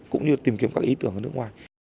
cũng như tìm kiếm các ý tưởng ở nước ngoài